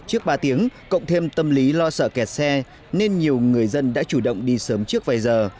trước ba tiếng cộng thêm tâm lý lo sợ kẹt xe nên nhiều người dân đã chủ động đi sớm trước vài giờ